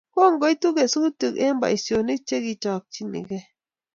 Chongoitu kesutik eng boisionik chekikochinegei